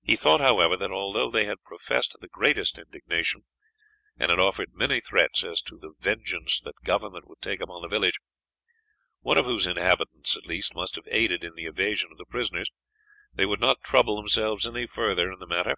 He thought, however, that although they had professed the greatest indignation, and had offered many threats as to the vengeance that government would take upon the village, one of whose inhabitants, at least, must have aided in the evasion of the prisoners, they would not trouble themselves any further in the matter.